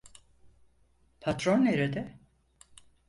Patron nerede?